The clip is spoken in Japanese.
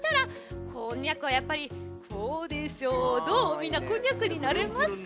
みんなこんにゃくになれますか？